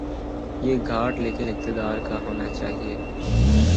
یہ گھاٹ لیکن اقتدارکا ہو نا چاہیے۔